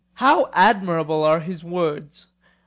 How admirable are his words!